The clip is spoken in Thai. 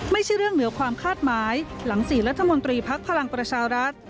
ไม่ใช่เรื่องเหนือความคาดหมายหลัง๔รัฐมนตรีพักพลังประชารัฐ